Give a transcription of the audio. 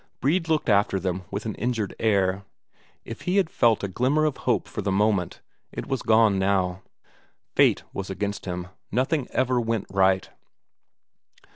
Brede looked after them with an injured air. If he had felt a glimmer of hope for the moment, it was gone now; fate was against him, nothing ever went right.